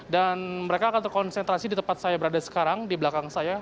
dan mereka akan terkonsentrasi di tempat saya berada sekarang di belakang saya